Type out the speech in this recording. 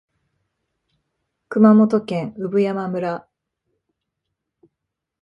熊本県産山村